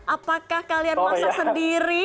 apakah kalian masak sendiri